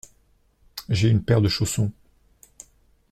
J’ai une paire de chaussons.